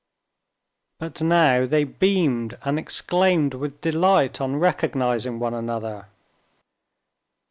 But now they beamed and exclaimed with delight on recognizing one another.